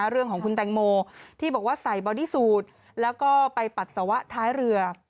เรื่องของคุณแตงโมที่บอกว่าใส่บอดี้สูตรแล้วก็ไปปัสสาวะท้ายเรือ